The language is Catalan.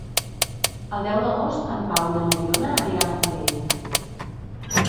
El deu d'agost en Pau i na Mariona aniran a Calella.